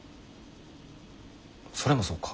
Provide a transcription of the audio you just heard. それもそうか。